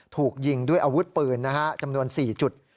ถูกยิงด้วยอาวุธปืนจำนวน๔จุด